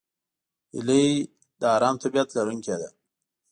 هیلۍ د آرام طبیعت لرونکې ده